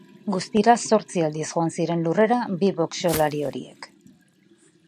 Guztira zortzi aldiz joan ziren lurrera bi boxeolari horiek.